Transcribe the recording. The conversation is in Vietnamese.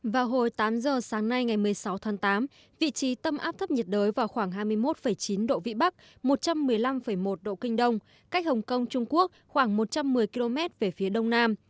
vào hồi tám giờ sáng nay ngày một mươi sáu tháng tám vị trí tâm áp thấp nhiệt đới vào khoảng hai mươi một chín độ vĩ bắc một trăm một mươi năm một độ kinh đông cách hồng kông trung quốc khoảng một trăm một mươi km về phía đông nam